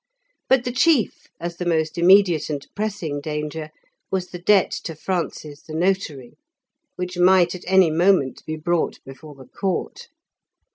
But the chief, as the most immediate and pressing danger, was the debt to Francis the notary, which might at any moment be brought before the Court.